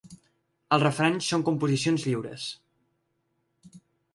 Els refranys són composicions lliures.